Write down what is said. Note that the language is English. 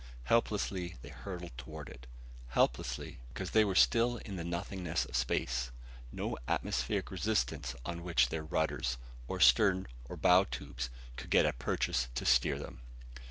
Helplessly, they hurtled toward it: helplessly, because they were still in the nothingness of space, with no atmospheric resistance on which their rudders, or stern or bow tubes, could get a purchase to steer them.